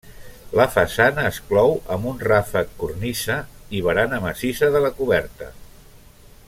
La façana es clou amb un ràfec- cornisa i barana massissa de la coberta.